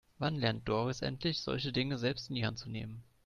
Wann lernt Doris endlich, solche Dinge selbst in die Hand zu nehmen?